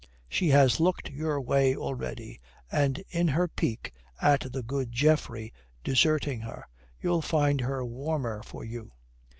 She has looked your way already, and in her pique at the good Geoffrey deserting her, you'll find her warmer for you.